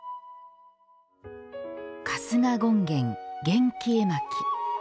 春日権現験記絵巻。